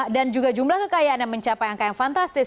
dan juga jumlah kekayaan yang mencapai angka yang fantastis